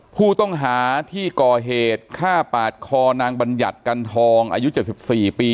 ผู้ต้องหาที่ก่อเหตุฆ่าปาดคอนางบัญญัติกันทองอายุ๗๔ปี